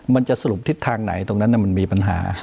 มันจะสรุปทิศทางไหนตรงนั้นมันมีปัญหา